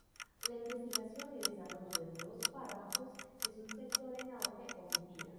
La investigación y desarrollo de nuevos fármacos es un sector en auge hoy día.